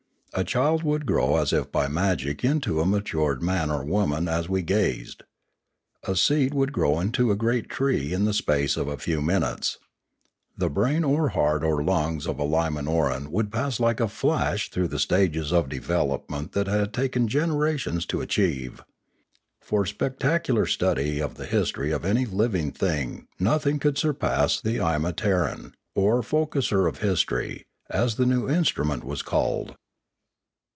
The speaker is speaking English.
A child would grow as by magic into a matured man or woman as we gazed. A seed would grow into a great tree in the space of a few minutes. The brain or heart or lungs of a Limanoran would pass like a flash through the stages of development that had taken generations to achieve. For spectacular study of the history of any living thing nothing could surpass the imataran, or focusser of history, as the new instru ment was called.